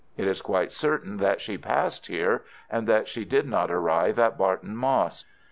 It is quite certain that she passed here, and that she did not arrive at Barton Moss.